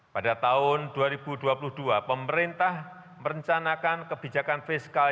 pada tahun dua ribu dua puluh dua pemerintah merencanakan kebijakan fiskal